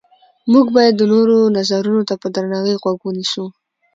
موږ باید د نورو نظرونو ته په درناوي غوږ ونیسو